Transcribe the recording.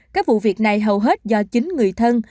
các vụ việc này hầu hết do chính người thân